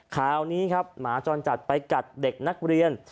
คราวนี้ครับหมาจรจัดไปกัดเด็กนักเรียน